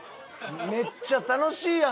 めっちゃ楽しいやん！